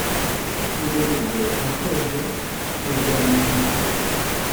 ngo rugwe ashoje rugwamamwe.